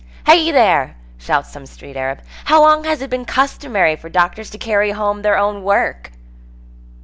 "Hey there!" shouts some street Arab, "how long has it been customary for doctors to carry home their own work?"